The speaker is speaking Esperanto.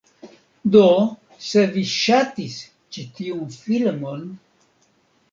Do, se vi ŝatis ĉi tiun filmon